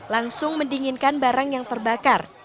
langsung mendinginkan barang yang terbakar